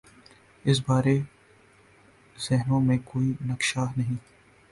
اس بارے ذہنوں میں کوئی نقشہ نہیں۔